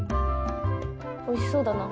おいしそうだな。